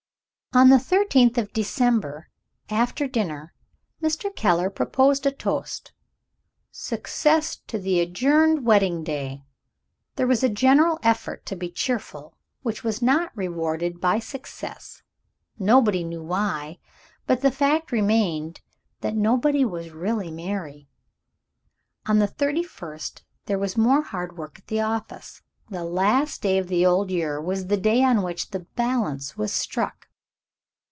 On the thirtieth of December, after dinner, Mr. Keller proposed a toast "Success to the adjourned wedding day!" There was a general effort to be cheerful, which was not rewarded by success. Nobody knew why; but the fact remained that nobody was really merry. On the thirty first, there was more hard work at the office. The last day of the old year was the day on which the balance was struck.